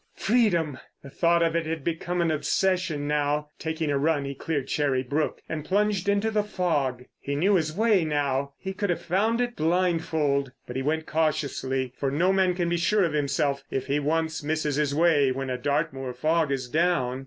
Freedom! The thought of it had become an obsession now. Taking a run he cleared Cherry Brook and plunged into the fog. He knew his way now; he could have found it blindfold. But he went cautiously, for no man can be sure of himself if he once misses his way when a Dartmoor fog is down.